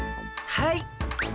はい。